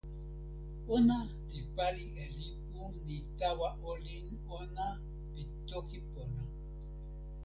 ona li pali e lipu ni tawa olin ona pi toki pona.